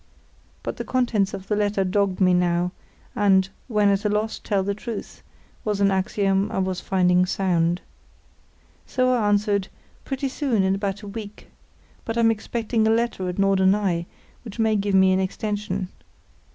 But the contents of the letter dogged me now, and "when at a loss, tell the truth", was an axiom I was finding sound. So I answered, "Pretty soon, in about a week. But I'm expecting a letter at Norderney, which may give me an extension.